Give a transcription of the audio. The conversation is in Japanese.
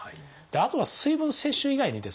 あとは水分摂取以外にですね